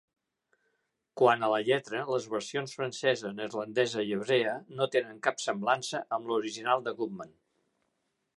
Quant a la lletra, les versions francesa, neerlandesa i hebrea no tenen cap semblança amb l'original de Goodman.